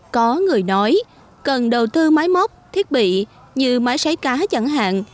có người nói cần đầu tư máy móc thiết bị như máy sấy cá chẳng hạn